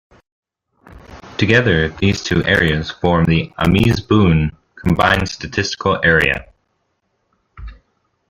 Together, these two areas form the Ames-Boone Combined Statistical Area.